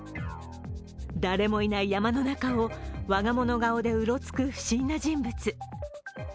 誰もいない山の中を我が物顔でうろつく不審な人物。